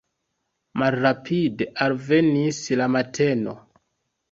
Malrapide alvenis la mateno.